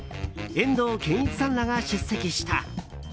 遠藤憲一さんらが出席した。